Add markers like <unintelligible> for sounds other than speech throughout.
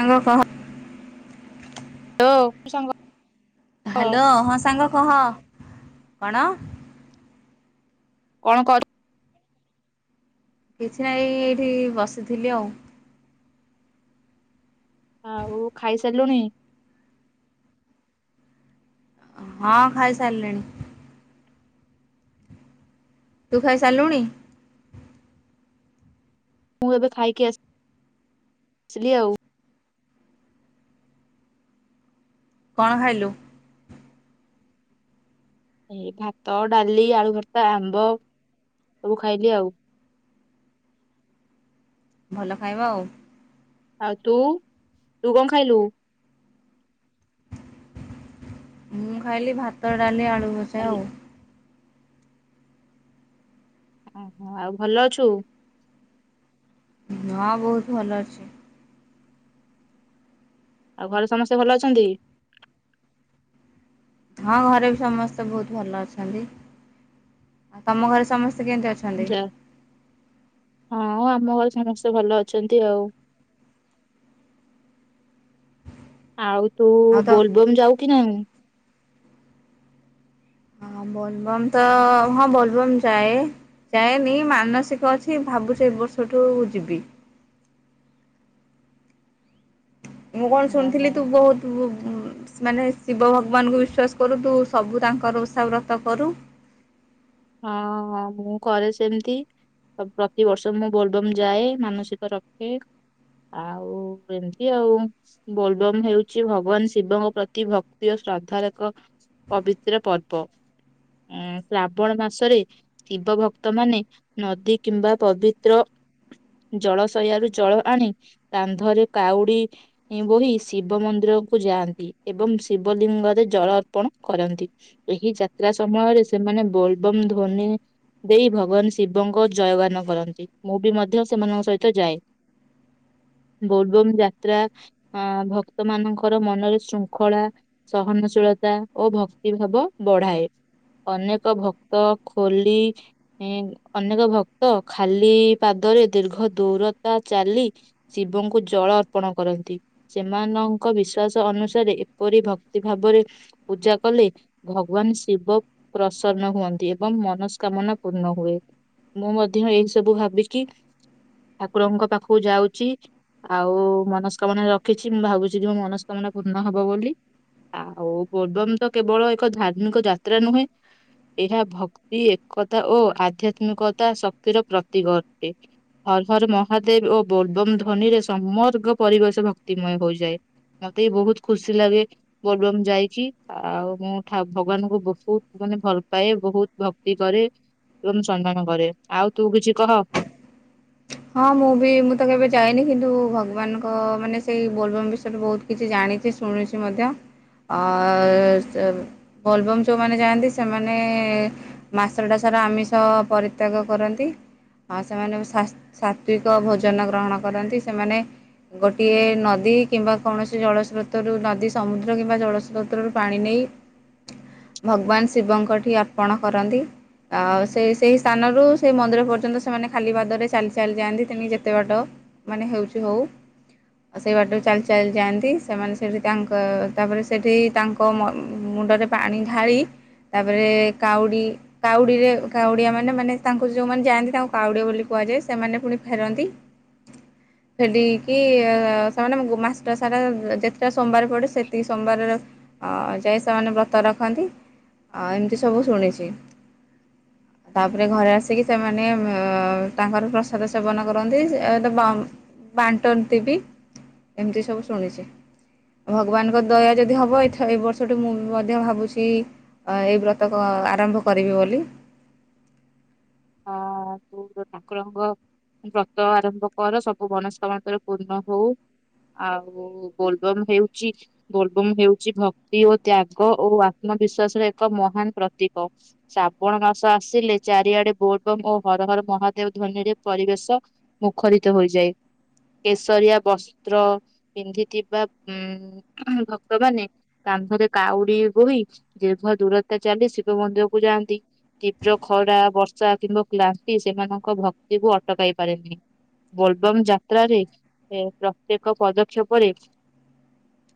ସାଙ୍ଗ କହ। ହୋ ସାଙ୍ଗ ହ୍ୟାଲୋ ହଁ ସାଙ୍ଗ କହ। କଣ କଣ କର କିଛି ନାହିଁ ଏଇଠି ବସିଥିଲି ଆଉ। ଆଉ ଖାଇସାରିଲୁଣି। ହଁ ଖାଇସାରିଲିଣି। ତୁ ଖାଇସାଇଲୁଣି। ମୁଁ ଏବେ ଖାଇକି ଆସି ଆସିଲି ଆଉ। କଣ ଖାଇଲୁ। ଏଇ ଭାତ ଡାଲି ଆଳୁ ଭର୍ତ୍ତା ଆମ୍ବ ସବୁ ଖାଇଲି ଆଉ। ଭଲ ଖାଇବା ଆଉ। ଆଉ ତୁ ତୁ କଣ ଖାଇଲୁ। ମୁଁ ଖାଇଲି ଭାତ ଡାଲି ଆଣ। କ ଖାଲି ବଜାଉ <unintelligible> ଓହୋ ଆଉ ଭଲ ଅଛୁ। ହଁ ବହୁତ ଭଲ ଅଛି। ଆଉ ଘରେ ସମସ୍ତେ ଭଲ ଅଛନ୍ତି। ହଁ ଘରେ ବି ସମସ୍ତେ ବହୁତ ଭଲ ଅଛନ୍ତି ଆଉ ତମ ଘରେ ସମସ୍ତେ। କେନ୍ତ ଅଛନ୍ତି। ଯା ହଁ ଆମ ଘରେ ସମସ୍ତେ ଭଲ ଅଛନ୍ତି ଆଉ। ହ ହଉ ତୁ-ଉ-ଉ ଆଉ ତ ବୋଲବମ୍ ଯାଉ କି ନାଇ। ହଁ ବୋଲବମ୍ ତ-ତ-ତ ହଁ ବୋଲବମ୍ ଯାଏ ଯାଏନି ମାନସିକ ଅଛି ଭାବୁଛି ଏ ବର୍ଷଠୁ ଯିବି। ମୁଁ କଣ ଓହୋ ଶୁଣିଥିଲି ତୁ ହଁ ବହୁତ ବୁ ମାନେ। ଶିବ ଭଗବାନଙ୍କୁ ବିଶ୍ଵାସ କରୁ ତୁ ସବୁ ତାଙ୍କର ଉଷା ବ୍ରତ କରୁ। ହଁଁ ମୁଁ କରେ ସେମିତି ପ୍ରତିିବର୍ଷ ମୁଁ ବୋଲବମ ଯାଏ ମାନସିକ ରଖେ ଆଉ-ଉ-ଉ ଏମତି ଆଉ ବୋଲବମ ହେଉଛି ଭଗବାନ ଶିବଙ୍କ ପ୍ରତି ଭକ୍ତି ଓ ଶ୍ରଦ୍ଧାର ଏକ ପବିତ୍ର ପର୍ବ ଉମ ଶ୍ରବଣ ମାସରେ ଶିବ ଭକ୍ତ ମାନେ ନଦୀ କିମ୍ବା ପବିତ୍ର ଜଳଶୟାରୁ ଜଳ ଆଣି କାନ୍ଧରେ କାଉଡି ଇ ବୋହି ଶିବ ମନ୍ଦିରକୁ ଯାଆନ୍ତି ଏବଂ ଶିବଲିଙ୍ଗରେ ଜଳ ଅର୍ପଣ କରନ୍ତି ଏହି ଯାତ୍ରା ସମୟରେ ସେମାନେ। ବୋଲବମ ଧ୍ୱନି ଦେଇ ଭଗବାନ ଶିବଙ୍କ ଜୟଗାନ କରନ୍ତି ମୁଁ ବି ମଧ୍ୟ ସେମାନଙ୍କ ସହିତ ଯାଏ ବୋଲବମ ଯାତ୍ରା ଅ ଭକ୍ତ ମାନଙ୍କର ମନରେ ଶୃଙ୍ଖଳା ସହନଶୀଳତା ଓ ଭକ୍ତି ଭାବ ବଢାଏ ଅନେକ। ଭକ୍ତ ଖୋଲି ଇ ଅନେକ ଭକ୍ତ ଖାଲି ପାଦରେ ଦୀର୍ଘ ଦୂରତା ଚାଲି ଶିବଙ୍କୁ ଜଳ ଅର୍ପଣ କରନ୍ତି ସେମାନଙ୍କ ବିଶ୍ଵାସ ଅନୁସାରେ ଏପରି ଭକ୍ତି ଭାବରେ ପୂଜା କଲେ ଭଗବାନ ଶିବ ପ୍ର ପ୍ରସନ୍ନ ହୁଅନ୍ତି ଏବଂ ମନସ୍କାମନା ପୂର୍ଣ୍ଣ ହୁଏ ମୁଁ ମଧ୍ୟ ଏଇ ସବୁ ଭାବିକି ଠାକୁରଙ୍କ ପାଖକୁ ଯାଉଛି ଆଉ ମନସ୍କାମନା ରଖିଛି ମୁଁ ଭାବୁଛି ଯେ ମୋ ମନସ୍କାମନା ପୂର୍ଣ୍ଣ ହବ ବୋଲି ଆଉ ବୋଲବମ୍ ତ କେବଳ ଏକ ଧାର୍ମିକ ଯାତ୍ରା ନୁହେଁ। ଏହା ଭକ୍ତି ଏକତା ଓ ଆଧ୍ୟାତ୍ମିକତା ଶକ୍ତିର ପ୍ରତୀକ ଅଟେ ହର ହର ମହାଦେବ ଓ ବୋଲବମ ଧ୍ୱନିରେ ସମର୍ଗ ପରିବେଶ ଭକ୍ତିମୟ ହୋଇଯାଏ ମତେ ବି ବହୁତ ଖୁସି ଲାଗେ ବୋଲବମ ଯାଇକି ଆଉ ମୁଁ ଠା ଭଗବାନଙ୍କୁ ବହୁତ। ନେ ଭଲ ପାଏ ବହୁତ ଭକ୍ତି କରେ ଏବଂ ସମ୍ମାନ କରେ ଆଉ ତୁ କିଛି କହ। ହଁ ମୁଁ ବି ମୁଁ ତ କେବେ ଯାଇନି କିନ୍ତୁ ଭଗବାନଙ୍କ ମାନେ ସେଇ ବୋଲବମ୍ ବିଷୟରେ ବହୁତ କିଛି ଜାଣିଛି ଶୁଣିଛି ମଧ୍ୟ ଅ-ଅ-ଅ ବୋଲବମ୍ ଯେଉଁମାନେ ଯାଆନ୍ତି ସେମାନେ ମାସ ଟା ସାରା ଆମିଷ ପରିତ୍ୟାଗ କରନ୍ତି ଆଉ ସେମାନେ ଶା ସାତ୍ଵିକ ଭୋଜନ ଗ୍ରହଣ କରନ୍ତି ସେମାନେ ଗୋଟିଏ ନଦୀ କିମ୍ବା କୌଣସି ଜଳସ୍ରୋତରୁ ନଦୀ ସମୁଦ୍ର କିମ୍ବା ଜଳସ୍ରୋତ୍ରରୁ ପାଣି ନେଇ ଭଗବାନ ଶିବଙ୍କଠି ଅର୍ପଣ କରନ୍ତି ଆଉ ସେ ସେଇ ସ୍ଥାନରୁ ସେଇ ମନ୍ଦିର ପର୍ଯ୍ୟନ୍ତ ସେମାନେ ଖାଲି ପାଦରେ ଚାଲି ଚାଲିଯାଆନ୍ତି ତମଣିକି ଯେତେ ବାଟ ମାନେ ହେଉଛି ହଉ ସେଇ ବାଟକୁ ଚାଲି ଚାଲି ଯାଆନ୍ତି ସେମାନେ ସେଠି ତାଙ୍କ ତାପରେ ସେଠି ତାଙ୍କ ମ ମୁଣ୍ଡରେ ପାଣି ଢାଳି ତାପରେ କାଉଡ଼ି କାଉଡ଼ିରେ କାଉଡ଼ିଆ ମାନେ ମାନେ ତାଙ୍କୁ ଯେଉଁମାନେ ଯାଆନ୍ତି ତାଙ୍କୁ କାଉଡ଼ିଆ ବୋଲି କୁହାଯାଏ। ସେମାନେ ପୁଣି ଫେରନ୍ତି ଫେରିକି-କି-କି ସୋମାନେ ମାସ ଟା ସାରା ଯେତେ ଟା ସୋମବାର ପଡ଼େ ସେତିକି ସୋମବାରର ଅ ଯାଏଁ ସେମାନେ ବ୍ରତ ରଖନ୍ତି ଆ ଏମତି ସବୁ ଶୁଣିଚି। ତାପରେ ଘରେ ଆସିକି ସେମାନେ । ତାଙ୍କର ପ୍ର ପ୍ରସାଦ ସେବନ କରନ୍ତି ଅ ଏଟା ବା ବାଣ୍ଟନ୍ତି ବି ଏମିତି ସବୁ ଶୁଣିଛି ଭଗବାନଙ୍କ ଦୟା ଯଦି ହବ ଏଥର ଏ ବର୍ଷଠୁ ମୁଁ ମଧ୍ୟ ଭାବୁଛି ଅ ଏଇ ବ୍ରତ ଅ ଆରମ୍ଭ କରିବି ବୋଲି। ହଁ ତୁ ତ ଠାକୁରଙ୍କ ବ୍ରତ ଆରମ୍ଭ କର ସବୁ ମନସ୍କାମନା ତୋର ପୂର୍ଣ୍ଣ ହଉ ଆଉ-ଉ-ଉ ବୋଲବମ ହେଉଛି ବୋଲବମ ହେଉଛି ଭକ୍ତି ଓ ତ୍ୟାଗ ଓ ଆତ୍ମବିଶ୍ଵାସର ଏକ ମହାନ ପ୍ରତୀକ ଶ୍ରାବଣ ମାସ ଆସିଲେ ଚାରିଆଡେ। ବୋରବମ ଓ ହର ହର ମହାଦେବ ଧ୍ୱନିରେ ପରିବେଶ ମୁଖରିତ ହୋଇଯାଏ କେଶରିଆ ବସ୍ତ୍ର ପିନ୍ଧିଥିବା ଉମ ଭକ୍ତମାନେ କାନ୍ଧରେ କାଉଡି ବୋହି ଦୀର୍ଘ ଦୂରତା ଚାଲି ଶିବ ମନ୍ଦିରକୁ ଯାଆନ୍ତି ତୀବ୍ର ଖରା ବ କିମ୍ବା କ୍ଳାନ୍ତି ସେମାନଙ୍କ ଭକ୍ତିକୁ ଅଟକାଇ ପାରେନି ବୋଲବମ୍ ଯାତ୍ରାରେ ପ୍ରତ୍ୟେକ ପଦକ୍ଷେପରେ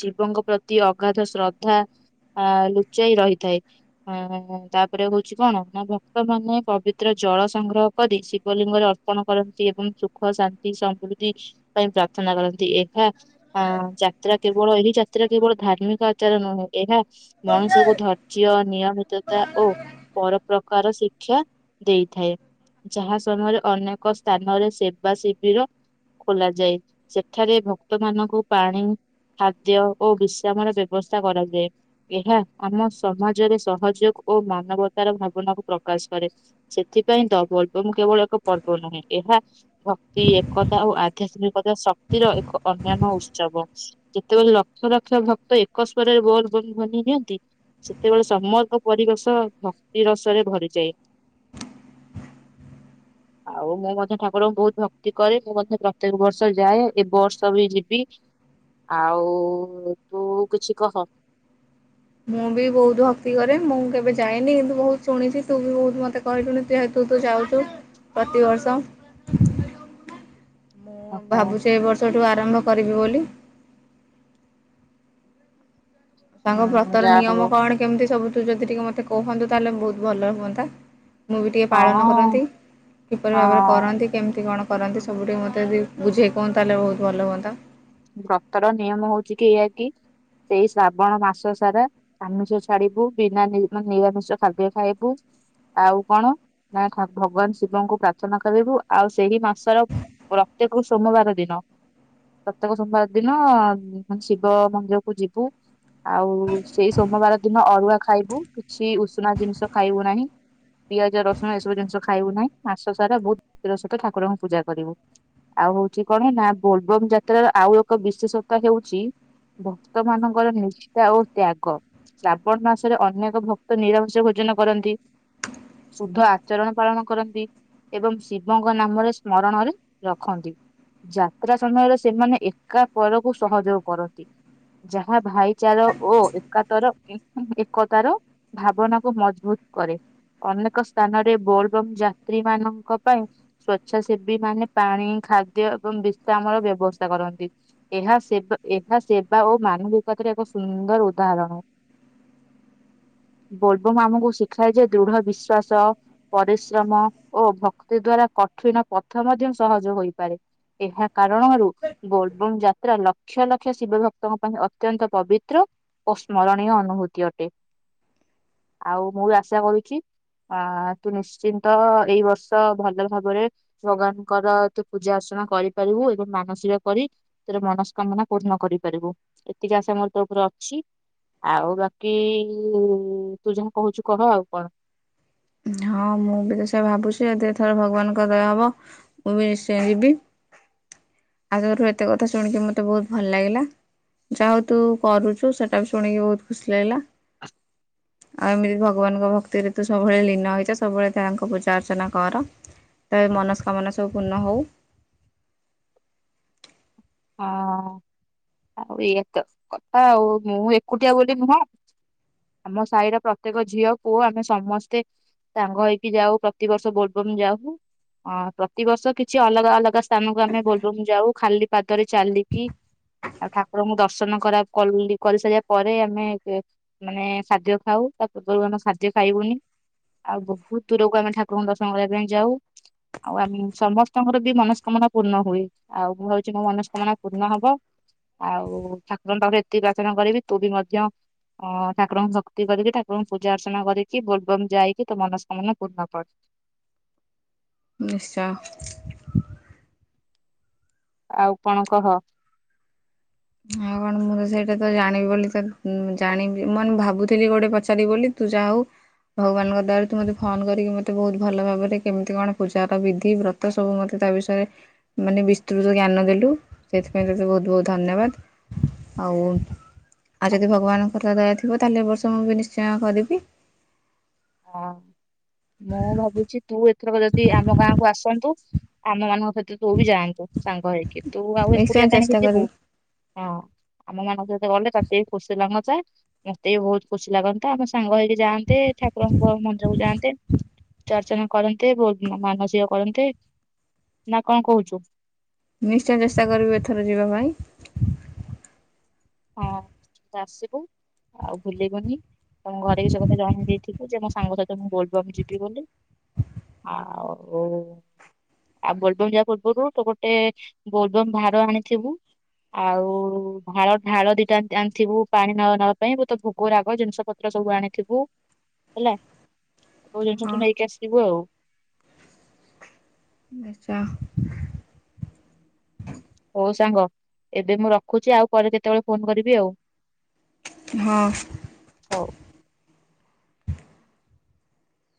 ଶିବଙ୍କ ପ୍ରତି ଅଗାଧ ଶ୍ରଦ୍ଧା ଆ ଲୁଚାଇ ରହିଥାଏ ଆ ତାପରେ ହଉଛି କଣ ନା ଭକ୍ତମାନେ। ପବିତ୍ର ଜଳ ସଂଗ୍ରହ କରି ଶିବଲିଙ୍ଗରେ ଅର୍ପଣ କରନ୍ତି ଏବଂ ସୁଖ ଶାନ୍ତି ସମୃଦ୍ଧି ପାଇଁ ପ୍ରାର୍ଥନା କରନ୍ତି ଏହା ଯାତ୍ରା କେବଳ ଏହି ଯାତ୍ରା କେବଳ ଧାର୍ମିକ ଆଚାର ନୁହେଁ ଏହା ମଣିଷକୁ ଧୈର୍ଯ୍ୟ ନିୟମିତତା ଓ ପରୋପ୍ରକାର ଶିକ୍ଷା। ଦେଇଥାଏ ଯାହା ସମୟରେ ଅନେକ ସ୍ଥାନରେ ସେବା ଶିବିର ଖୋଲାଯାଏ ସେଠାରେ ଭକ୍ତ ମାନଙ୍କୁ ପାଣି ଖାଦ୍ୟ ଓ ବିଶ୍ରାମର ବ୍ୟବସ୍ଥା କରାଯାଏ ଏହା ଆମ ସମାଜରେ ସହଯୋଗ ଓ ମାନବତାର ଭାବନାକୁ ପ୍ରକାଶ କରେ। ସେଥିପାଇଁ ତ ବୋଲବମ କେବଳ ଏକ ପର୍ବ ନୁହେଁ ଏହା ଭକ୍ତି ଏକତା ଓ ଆଧ୍ୟାତ୍ମିକତା ଶକ୍ତିର ଏକ ଅନ୍ୟାନ୍ୟ ଉତ୍ସବ ଯେତେବେଳେ ଲକ୍ଷ ଲକ୍ଷ ଭକ୍ତ ଏକସ୍ଵରରେ ବୋଲବମ ଧ୍ୱନି ନିଅନ୍ତି ସେତେବେଳେ ସମଗ୍ର ପରିବେଶ ଭକ୍ତି ରସରେ ଭରିଯାଏ। ଆଉ ମୁଁ ମଧ୍ୟ ଠାକୁରଙ୍କୁ ବହୁତ ଭକ୍ତି କରେ ମୁଁ ମଧ୍ୟ ପ୍ରତ୍ୟେକ ବର୍ଷ ଯାଏ ଏ ବର୍ଷ ବି ଯିବି ଆଉ-ଉ-ଉ ତୁ କିଛି କହ। ମୁଁ ବି ବହୁତ ଭକ୍ତି କରେ ମୁଁ କେବେ ଯାଇନି କିନ୍ତୁ ବହୁତ ଶୁଣିଛି ତୁ ବି ବହୁତ ମତେ କହିିଲୁଣି ଯେହେତୁ ତୁ ଯାଉଛୁ ପ୍ରତିବର୍ଷ। ମୁଁ ହଁ ଭାବୁଛି ଏ ବର୍ଷଠୁ ଆରମ୍ଭ। କରିବି ବୋଲି। ସାଙ୍ଗ ବ୍ରତର ଯାହା ନିୟମ ହଉ କଣ କେମିତି ସବୁ ତୁ ଯଦି ଟିକେ ମତେ କୁହନ୍ତୁ। ତାହେଲେ ବହୁତ ଭଲ ହୁଅନ୍ତା। ମୁଁ ବି ଟିକେ ପାଳନ ହଁ କରନ୍ତି କିପରି ଭାବରେ ହଁ କରନ୍ତି। କେମିତି କଣ କରନ୍ତି ସବୁ ଟିକେ ମତେ ଯି ବୁଝେଇ କୁହନ୍ତ। ତାହେଲେ ବହୁତ ଭଲ ହୁଅନ୍ତା। ବ୍ରତର ନିୟମ ହଉଛି କି ଏହା କି ସେଇ ଶ୍ରାବଣ ମାସ ସାରା ଆାମିଷ ଛାଡିବୁ। ବିନା ନିରାମିଷ ଖାଦ୍ୟ ଖାଇବୁ। ଆଉ କଣ ନା ଭଗବାନ ଶିବଙ୍କୁ ପ୍ରାର୍ଥନା କରିବୁ। ଆଉ ସେଇ ମାସର ପ୍ରତ୍ୟେକ ସୋମବାର ଦିନ। <inaudible> ପ୍ରତ୍ୟେକ ସୋମବାର ଦିନ ମାନେ ଶିବ ମନ୍ଦିର କ ଯିବୁ। ଆଉ ସେଇ ସୋମବାର ଦିନ ଅରୁଆ ଖାଇବୁ। କିଛି ଉଷୁନା ଜିନିଷ ଖାଇବୁ ନାହିଁ ।ପିଆଜ ରସୁଣ ଏସବୁ ଜିନିଷ ଖାଇବୁ ନାହିଁ। ମାସ ସାରା ବହୁତ ଭକ୍ତିର ସହିତ ଠାକୁରଙ୍କୁ ପୂଜାକରିବୁ। ଆଉ ହଉଛି କଣ ନା ବୋଲବମ ଯାତ୍ରାର ଆଉ ଏକ ବିଶେଷତା ହେଉଛି। ଭକ୍ତ ମାନଙ୍କର ନିଷ୍ଠା ଓ ତ୍ୟାଗ ଶ୍ରାବଣ ମାସରେ ଅନେକ ଭକ୍ତ ନିରାମଶ ଭୋଜନ କରନ୍ତି। ଶୁଦ୍ଧ ଆଚରଣ ପାଳନ କରନ୍ତି। ଏବଂ ଶିବଙ୍କ ନାମରେ ସ୍ମରଣରେ ରଖନ୍ତି। ଯାତ୍ରା ସମୟରେ ସେମାନେ ଏକା ପରକୁ ସହଯୋଗ କରନ୍ତି। ଯାହା ଭାଇଚାରା ଓ ଏକାତର ଏକତାର ଭାବନାକୁ ମଜବୁତ କରେ। ଅନେକ ସ୍ଥାନରେ ବୋଲ ବମ୍ ଯାତ୍ରୀ ମାନଙ୍କ ପାଇଁ ସ୍ଵେଚ୍ଛାସେବୀ ମାନେ ପାଣି ଖାଦ୍ୟ ଏବଂ ବିଶ୍ରାମର ବ୍ୟବ କରନ୍ତି ଏହା ସେ ଏହା ସେବା ଓ ମାନବିକତାରେ ଏକ ସୁନ୍ଦର ଉଦାହରଣ। <inaudible> ବୋଲବମ ଆମକୁ ଶିଖାଏ ଯେ ଦୃଢ ବିଶ୍ଵାସ ପରିଶ୍ରମ ଓ ଭକ୍ତି ଦ୍ଵାରା କଠିନ ପଥ ମଧ୍ୟ ସହଜ ହୋଇପାରେ। ଏହା କାରଣରୁ ବୋଲବମ ଯାତ୍ରା ଲକ୍ଷ ଲକ୍ଷ ଶିବ ଭକ୍ତଙ୍କ ପାଇଁ ଅତ୍ୟନ୍ତ ପବିତ୍ର ଓ ସ୍ମରଣୀୟ ଅନୁଭୂତି ଅଟେ। <inaudible> ଆଉ ମୁଁ ବି ଆଶା କରୁଛି। ଅ ତୁ ନିଶ୍ଚିନ୍ତ ଏଇ ବର୍ଷ ଭଲ ଭାବରେ ଭଗବାନଙ୍କର ତୁ ପୂଜା ଅର୍ଚ୍ଚନା କରିପାରିବୁ। ଏବଂ ମାନସିକ କରି ତୋର ମନସ୍କାମନା ପୂର୍ଣ କରିପାରିବୁ। ଏତିକି ଆଶା ମୋର ତୋ ଉପରେ ଅଛି। ଆଉ ବାକି ତୁ ଯହା କହୁଛୁ କହ ଆଉ କଣ। ହଁ ମୁଁ ବି ତ ସେ ଭାବୁଛି। ଏଦି ଥର ଭଗବାନଙ୍କ ଦୟା ହବ ମୁଁ ବି ନିଶ୍ଚୟ ଯିବି। <inaudible> ଆଉ ତୋଠୁ ଏତେ କଥା ଶୁଣିକି ମତେ ବହୁତ ଭଲ ଲାଗିଲା। ଯାହା ହଉ ତୁ କରୁଛୁ ସେଇଟା ବି ଶୁଣିକି ବହୁତ ଖୁସି ଲାଗିଲା। <inaudible> ଆଉ ଏମିତି ଭଗବାନଙ୍କ ଭକ୍ତିରେ ତୁ ସବୁବେଳେ ଲୀନ ହେଇଯା। ସବୁବେଳେ ତାଙ୍କ ପୂଜା ଅର୍ଚ୍ଚନା କର ତା ମନସ୍କାମନା ସବୁ ପୂର୍ଣ୍ଣ ହଉ। ହଁ <inaudible> ଆଉ ଇଏ ତ କଥା ଆଉ ମୁଁ ଏକୁଟିଆ ବୋଲି ନୁହଁ। <inaudible> ଆମ ସାହିର ପ୍ରତ୍ୟେକ ଝିଅ ପୁଅ ଆମେ ସମସ୍ତେ ସାଙ୍ଗ ହେଇକି ଯାଉ। ପ୍ରତିବର୍ଷ ବୋଲବମ ଯାଉ ପ୍ରତିବର୍ଷ କିଛି ଅଲଗା ଅଲଗା ସ୍ଥାନକୁ ଆମେ ବୋଲବମ ଯାଉ। ଖାଲି ପାଦରେ ଚାଲିକି <inaudible> ଆଉ ଠାକୁରଙ୍କୁ ଦର୍ଶନ କରା କଲି କରିସାରିବା ପରେ ଆମେ ମାନେ ଖାଦ୍ୟ ଖାଉ ତା ପୂର୍ବରୁ ଆମେ ଖାଦ୍ୟ ଖାଇବୁନି। ଆଉ ବହୁତ ଦୂରକୁ ଠାକୁରଙ୍କୁ ଦର୍ଶନ କରିବା ପାଇଁ ଯାଉ। ଆଉ ଆମେ ସମସ୍ତଙ୍କର ବି ମନସକାମନା ପୂର୍ଣ ହୁଏ। ଆଉ ଆଜି ମୋ ମନସ୍କାମନା ପୂର୍ଣ୍ଣ ହବ। ଆଉ ଠାକୁରଙ୍କ ତାଙ୍କର ଏତିକି ପ୍ରାର୍ଥନା କରିବି। ତୁ ବି ମଧ୍ୟ ଅ ଠାକୁରଙ୍କୁ ଭକ୍ତି କରିକି। ଠାକୁରଙ୍କୁ ପୂଜା ଅର୍ଚ୍ଚନା କରିକି ବୋଲବମ ଯାଇକି ତୋ ମନସ୍କାମନା ପୂର୍ଣ୍ଣ କର। ନିଶ୍ଚା ଆଉ କଣ କହ। <inaudible> ହଁ କଣ ମୁଁ ତ ସେଇଟା ତ ଜାଣିବି ବୋଲି ତ ଜାଣିବି ମୁଁ ଭାବୁଥିଲି ଗୋଟେ ପଚାରି ଆଉ ହଁ <inaudible> ମୁଁ ଭାବୁଛି ତୁ ଏଥରକ ଯଦି ଆମ ଗାଁକୁ ଆସନ୍ତୁ। ଆମ ମାନଙ୍କ ତ ତୁ ବି ଯାଆନ୍ତୁ। ସାଙ୍ଗ ହେଇକି ତୁ ଆଉ ଏକୁଟିଆ ନିଶ୍ଚୟ କାହିଁକି ଚେଷ୍ଟା ଯିବୁ। କରିବି। ହଁ ଆମ ମାନଙ୍କୁ ସହିତ ଗଲେ ତତେ ବି ଖୁସି ଲାଗନ୍ତା। ମତେ ବି ବହୁତ ଖୁସି ଲାଗନ୍ତା। ଆମ ସାଙ୍ଗ ହେଇକି ଯାଆନ୍ତେ। ଠାକୁରଙ୍କ ମନ୍ଦିର କୁ ଯାଆନ୍ତେ। ପୂଜା ଅର୍ଚ୍ଚନା କରନ୍ତେ। ବହୁତ ମାନସିକ କରନ୍ତେ। <inaudible> ନା କଣ କହୁଚୁ। ନିଶ୍ଚୟ ଚେଷ୍ଟା କରିବି ଏଥର ଯିବା ପାଇଁ। <inaudible> ହଁ ଆସିବୁ ଆଉ ଭୁଲିବୁନି। ତମ ଘରେ ବି ସେ କଥା ଜଣେଇ ଦେ ଯିବି ଯେ ମୋ ସାଙ୍ଗ ସହିତ ମୁଁ ବୋଲବମ୍ ଯିବି ବୋଲି ଆଉ ଢାଳ ଦିଟା ଆଣିଥିବୁ ପାଣି ନ ନବା ପାଇଁ ବହୁତ ଭୋଗ ରାଗ ଜିନିଷ ପତ୍ର ସବୁ ଆଣିଥିବୁ ହେଲା। ମୋ ଜିନିଷ ହଁ ତୁ ନେଇକି ଆସିଥିବୁ ଆଉ। ଆଛା <inaudible> ହଉ ସାଙ୍ଗ ଏବେ ମୁଁ ରଖୁଛି। ଆଉ ପରେ କେତେବେଳେ ଫୋନ କରିବି ଆଉ। <inaudible> ହଁ। ହଉ। <inaudible>